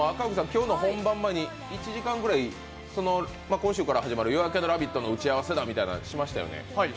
今日の本番１時間くらい前に今週から始まる「夜明けのラヴィット！」の打ち合わせだみたいなのしましたよね。